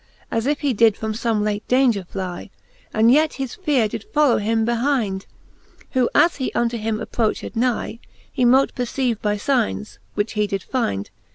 As if he did from fome late daunger fly, And yet his feare did follow him behynd : Who as he unto him approched nye, He mote perceive by fignes, which he did fynd.